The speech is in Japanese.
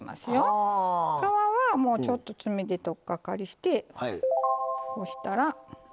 皮はちょっと爪でとっかかりしてこうしたら。